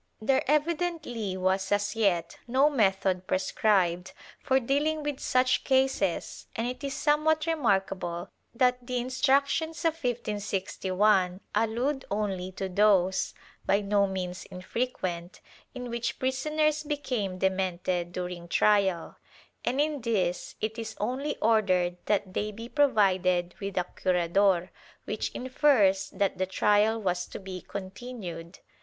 ^ There evidently was as yet no method prescribed for dealing with such cases and it is somewhat remarkable that the Instruc tions of 1561 allude only to those, by no means infrequent, in which prisoners became demented during trial, and in these it is only ordered that they be provided with a curador, which infers that the trial was to be continued.